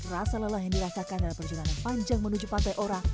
rasa lelah yang dirasakan dalam perjalanan panjang menuju pantai ora